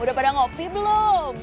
udah pada ngopi belum